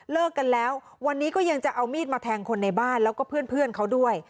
กันแล้ววันนี้ก็ยังจะเอามีดมาแทงคนในบ้านแล้วก็เพื่อนเขาด้วย